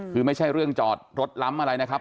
คือไม่ใช่เรื่องจอดรถล้ำอะไรนะครับ